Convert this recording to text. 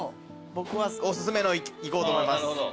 僕はおすすめのいこうと思います。